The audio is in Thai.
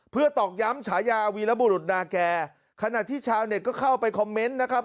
เพื่อตอกย้ำฉายาวีรบุรุษนาแก่ขณะที่ชาวเน็ตก็เข้าไปคอมเมนต์นะครับ